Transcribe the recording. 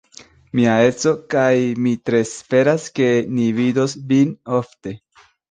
Mia edzo kaj mi tre esperas, ke ni vidos vin ofte.